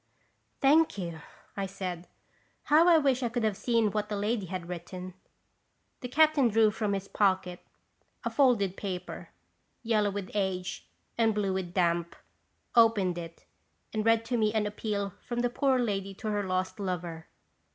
"Thank you," I said. "How I wish I could have seen what the lady had written !" The captain drew from his pocket a folded paper, yellow with age and blue with damp, opened it and read to me an appeal from the poor lady to her lost lover.